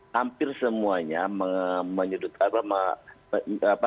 hampir semuanya menyedutkan apa apa